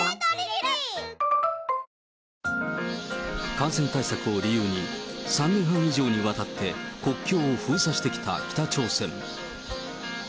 感染対策を理由に、３年半以上にわたって、国境を封鎖してきた北朝鮮。